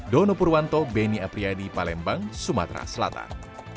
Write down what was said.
dono purwanto beni apriyadi palembang sumatera selatan